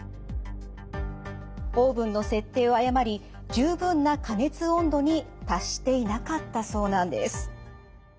オーブンの設定を誤り十分な加熱温度に達していなかったそうなんです。